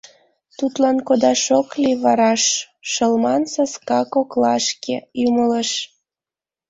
Тудлан кодаш ок лий вараш Шылман саска коклашке, ӱмылыш.